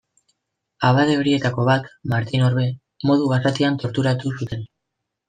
Abade horietako bat, Martin Orbe, modu basatian torturatu zuten.